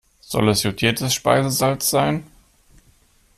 Soll es jodiertes Speisesalz sein?